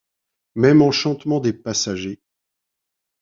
Même enchantement des passagers.